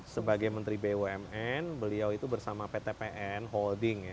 sebagai menteri bumn beliau itu bersama ptpn holding ya